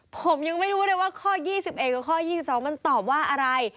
ผมยังไม่รู้เลยว่าข้อ๒๑กับข้อ๒๒มันตอบว่าอะไร